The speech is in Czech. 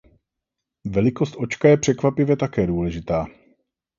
Velikost očka je překvapivě také důležitá.